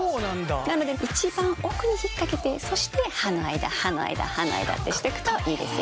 なので一番奥に引っ掛けてそして歯の間歯の間歯の間ってしてくといいですよ。